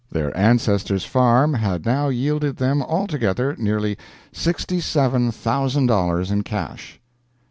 Their ancestor's farm had now yielded them altogether nearly sixty seven thousand dollars in cash.